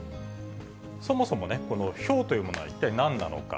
そもそも、このひょうというものは一体なんなのか。